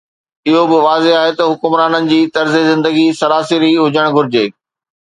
اهو به واضح آهي ته حڪمرانن جي طرز زندگي سراسري هجڻ گهرجي.